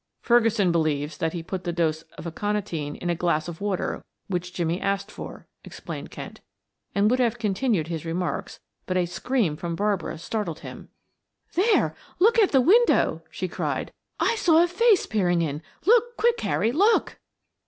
"Ferguson believes that he put the dose of aconitine in the glass of water which Jimmie asked for," explained Kent, and would have continued his remarks, but a scream from Barbara startled him. "There, look at the window," she cried. "I saw a face peering in. Look quick, Harry, look!"